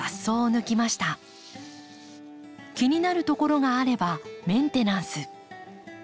気になる所があればメンテナンス。